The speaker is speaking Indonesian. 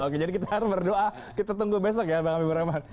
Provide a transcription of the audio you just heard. oke jadi kita harus berdoa kita tunggu besok ya bang habibur rahman